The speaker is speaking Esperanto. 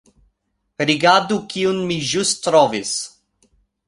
Rigardu kiun mi ĵus trovis